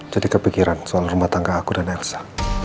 jadi kepikiran soal rumah tangga aku dan elsa